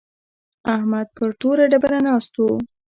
احمد پر توره ډبره ناست و.